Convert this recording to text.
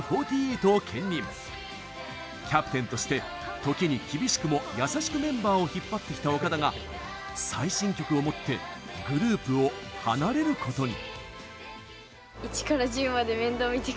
キャプテンとして時に厳しくも優しくメンバーを引っ張ってきた岡田が最新曲をもってグループを離れることに。